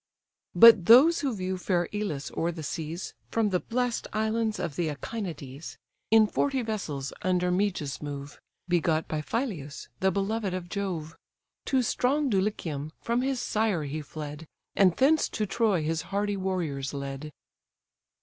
But those who view fair Elis o'er the seas From the blest islands of the Echinades, In forty vessels under Meges move, Begot by Phyleus, the beloved of Jove: To strong Dulichium from his sire he fled, And thence to Troy his hardy warriors led.